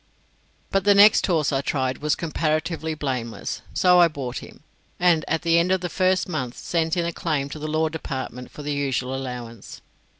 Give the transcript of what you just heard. But the next horse I tried was comparatively blameless, so I bought him, and at the end of the first month sent in a claim to the Law Department for the usual allowance.